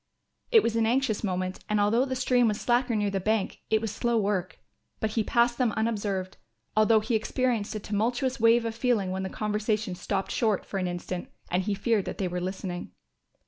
It was an anxious moment and although the stream was slacker near the bank it was slow work. But he passed them unobserved, although he experienced a tumultuous wave of feeling when the conversation stopped short for an instant and he feared that they were listening.